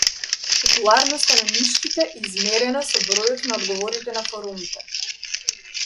Популарноста на нишките е измерена со бројот на одговорите на форумите.